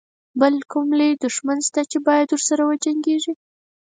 بل کوم لوی دښمن شته چې باید ورسره وجنګيږي.